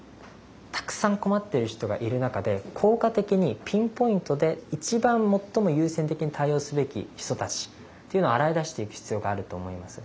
たくさん困っている人がいる中で効果的にピンポイントで一番最も優先的に対応すべき人たちっていうのを洗い出していく必要があると思います。